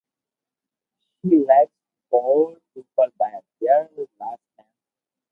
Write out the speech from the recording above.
She likes to call people by their last names.